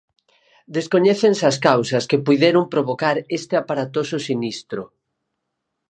Descoñécense as causas que puideron provocar este aparatoso sinistro.